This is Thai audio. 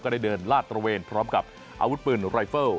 ได้เดินลาดตระเวนพร้อมกับอาวุธปืนรายเฟิล